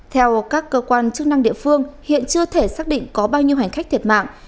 theo các cơ quan chức năng địa phương hiện chưa thể xác định có bao nhiêu hành khách thiệt mạng